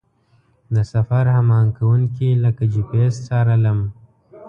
د سفر هماهنګ کوونکي لکه جي پي اس څارلم.